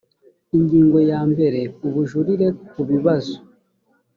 ingingo ya mbere ubujurire ku bibazo